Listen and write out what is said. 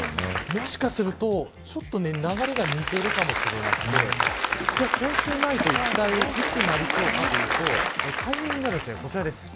もしかすると流れが似ているかもしれなくてじゃあ今週ないといったいいつになりそうかというとタイミングが、こちらです。